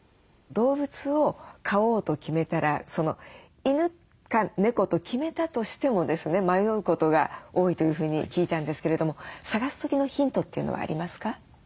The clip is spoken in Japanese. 動物を飼おうと決めたら犬か猫と決めたとしてもですね迷うことが多いというふうに聞いたんですけれども探す時のヒントというのはありますか？